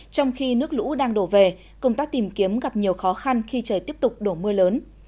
trong khi nước lũ đang đổ về công tác tìm kiếm gặp nhiều khó khăn khi trời tiếp tục đổ mưa lớn